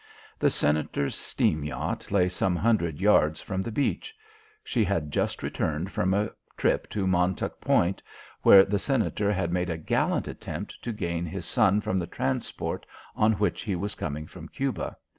The Senator's steam yacht lay some hundred yards from the beach. She had just returned from a trip to Montauk Point where the Senator had made a gallant attempt to gain his son from the transport on which he was coming from Cuba.